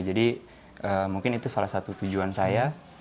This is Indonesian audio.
jadi mungkin itu salah satu tujuan saya